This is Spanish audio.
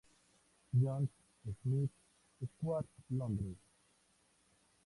John's, Smith Square, Londres.